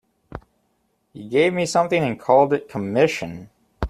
He gave me something and called it commission.